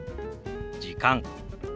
「時間」。